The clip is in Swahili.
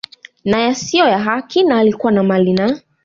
na yasiyo ya haki na alikuwa na mali na